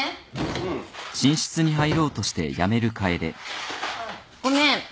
うん。ごめん。